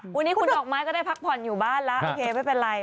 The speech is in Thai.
วันนี้คุณดอกไม้ก็ได้พักผ่อนอยู่บ้านแล้วโอเคไม่เป็นไร